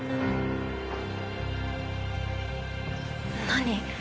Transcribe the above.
何？